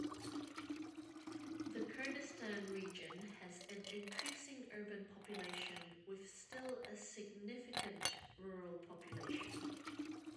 The Kurdistan Region has an increasing urban population with still a significant rural population.